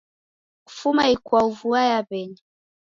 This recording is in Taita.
Kufuma ikwau vua yaw'enya